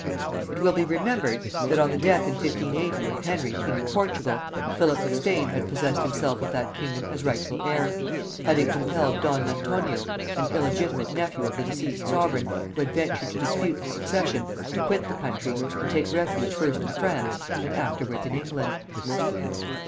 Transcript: It will be remembered, that on the death in 1580 of Henry king of Portugal, Philip of Spain had possessed himself of that kingdom as rightful heir; having compelled don Antonio, an illegitimate nephew of the deceased sovereign, who had ventured to dispute the succession, to quit the country, and take refuge first in France and afterwards in England.